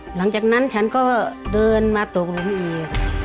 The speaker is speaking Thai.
หลังจากนั้นฉันก็เดินมาตกหลุมอีก